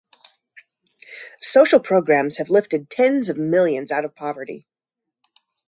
Social programs have lifted tens of millions out of poverty.